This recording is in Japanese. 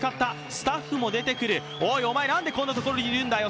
スタッフも出てくる、おい、お前なんでこんなところにいるんだよ！